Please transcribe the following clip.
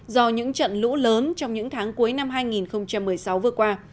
do những trận lũ lớn trong những tháng cuối năm hai nghìn một mươi sáu vừa qua